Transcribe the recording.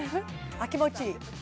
あっ気持ちいい